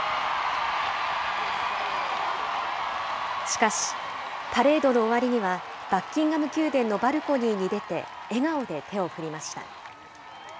しかし、パレードの終わりには、バッキンガム宮殿のバルコニーに出て、笑顔で手を振りました。